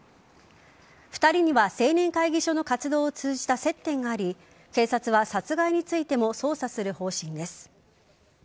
２人には青年会議所の活動を通じた接点があり警察は殺害についても捜査する方針です。